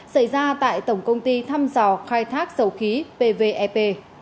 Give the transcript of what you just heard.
xảy ra tại tổng công ty thăm dò khai thác dầu khí pvep